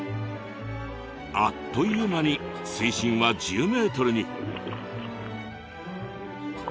あっという間に水深は１０ｍに。